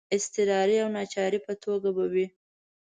د اضطراري او ناچارۍ په توګه به وي.